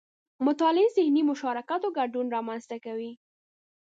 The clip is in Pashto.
مطالعه ذهني مشارکت او ګډون رامنځته کوي